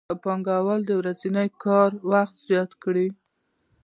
که پانګوال د ورځني کار وخت زیات کړي